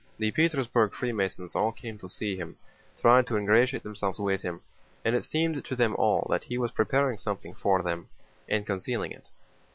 The Petersburg Freemasons all came to see him, tried to ingratiate themselves with him, and it seemed to them all that he was preparing something for them and concealing it.